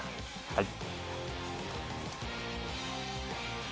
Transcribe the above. はい。